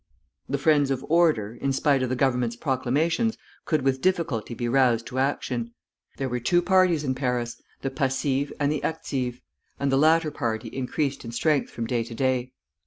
The friends of order, in spite of the Government's proclamations, could with difficulty be roused to action. There were two parties in Paris, the Passives, and the Actives; and the latter party increased in strength from day to day.